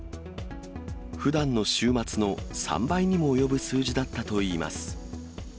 ふだんの週末の３倍にも及ぶ数字だったといいます。